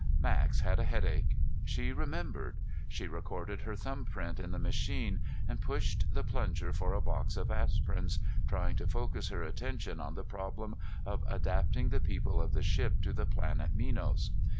Max had a headache, she remembered. She recorded her thumbprint in the machine and pushed the plunger for a box of aspirins, trying to focus her attention on the problem of adapting the people of the ship to the planet Minos.